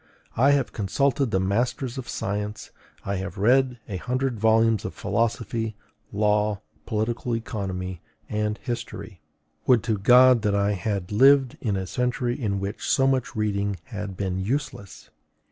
I have consulted the masters of science; I have read a hundred volumes of philosophy, law, political economy, and history: would to God that I had lived in a century in which so much reading had been useless!